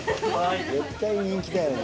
絶対人気だよな。